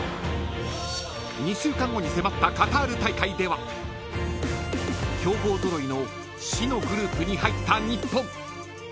［２週間後に迫ったカタール大会では強豪揃いの死のグループに入った日本］